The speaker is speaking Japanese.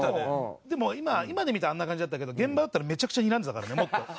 でも今で見たらあんな感じだったけど現場だったらめちゃくちゃにらんでたからねもっと。